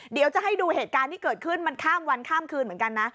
เดี๋ยวจะให้ดูเหตุการณ์ที่เกิดขึ้นมันข้ามวันข้ามคืนเหมือนกันนะ